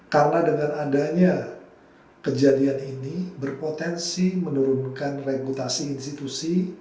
karena dengan adanya kejadian ini berpotensi menurunkan reputasi institusi